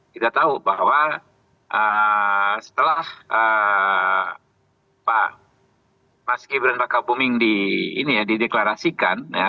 kita tahu bahwa setelah pak mas gibran raka buming dideklarasikan